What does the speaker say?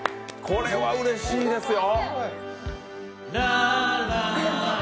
これはうれしいですよ。